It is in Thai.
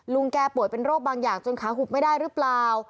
แกป่วยเป็นโรคบางอย่างจนขาหุบไม่ได้หรือเปล่า